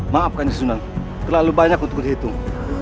maafkan saya sunan terlalu banyak untuk dihitung